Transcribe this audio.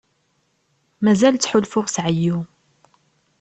Mazal ttḥulfuɣ s εeyyu.